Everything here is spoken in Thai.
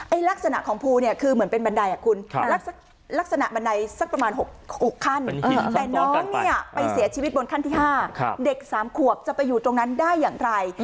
ลักษณะของภูเนี่ยคือเหมือนเป็นบันไดอ่ะคุณลักษณะบันไดสักประมาณ๖ขั้นแต่น้องเนี่ยไปเสียชีวิตบนขั้นที่๕เด็ก๓ขวบจะไปอยู่ตรงนั้นได้อย่างไร